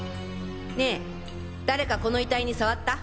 ねぇ誰かこの遺体に触った？